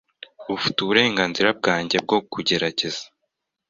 Ufite uburenganzira bwanjye bwo kugerageza .